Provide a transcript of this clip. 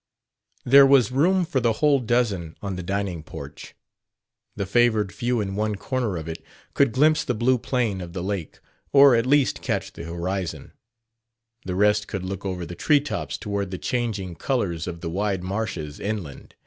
There was room for the whole dozen on the dining porch. The favored few in one corner of it could glimpse the blue plane of the lake, or at least catch the horizon; the rest could look over the treetops toward the changing colors of the wide marshes inland.